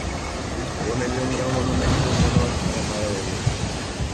Dispone de un gran monumento en honor a la Madre de Dios.